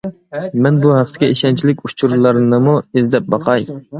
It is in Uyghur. مەن بۇ ھەقتىكى ئىشەنچلىك ئۇچۇرلارنىمۇ ئىزدەپ باقاي.